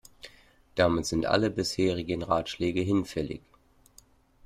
Damit sind alle bisherigen Ratschläge hinfällig.